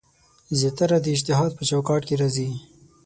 زیاتره د اجتهاد په چوکاټ کې راځي.